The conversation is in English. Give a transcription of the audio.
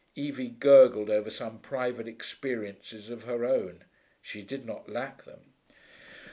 Evie gurgled over some private experiences of her own: she did not lack them.